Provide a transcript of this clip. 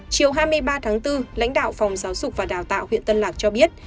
chiều hai mươi ba tháng bốn lãnh đạo phòng giáo dục và đào tạo huyện tân lạc cho biết